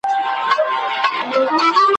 بېګانه له خپله ښاره، له خپل کلي پردو خلکو! `